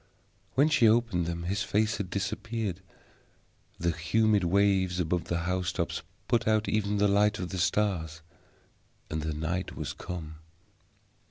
When she opened them his face had disappeared; the humid waves above the house tops put out even the light of the stars, and night was come.